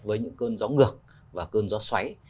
với những cơn gió ngược và cơn gió xoáy